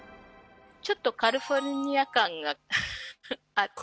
ちょっとカリフォルニア感がありますね。